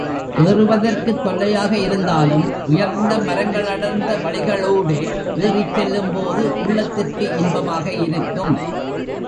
ஏறுவதற்குத் தொல்லையாக இருந்தாலும், உயர்ந்த மரங்களடர்ந்த வழிகளூடே ஏறிச் செல்லும்போது உள்ளத்திற்கு இன்பமாக இருக்கும்.